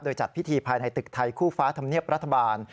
โดยจัดพิธีภายในตึกไทยคู่ฟ้าธรรมเนียบรัฐบาล